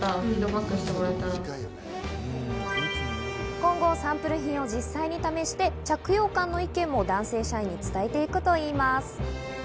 今後、サンプル品を実際に試して着用感の意見も男性社員に伝えていくといいます。